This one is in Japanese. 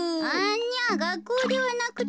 いやがっこうではなくてね